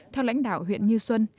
theo lãnh đạo huyện như xuân